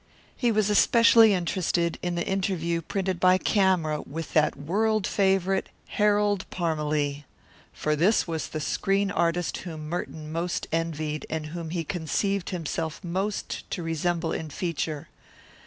He was especially interested in the interview printed by Camera with that world favourite, Harold Parmalee. For this was the screen artist whom Merton most envied, and whom he conceived himself most to resemble in feature.